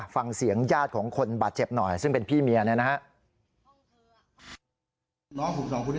ฟังเสียงญาติของคนบาดเจ็บหน่อยซึ่งเป็นพี่เมียเนี่ยนะฮะ